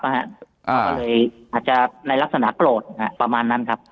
อาจจะในลักษณะโกรธประมาณนั้นครับ